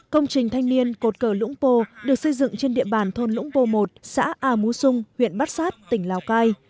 công trình thanh niên cột cờ lũng pô được xây dựng trên địa bàn thôn lũng pô một xã a mú xung huyện bát sát tỉnh lào cai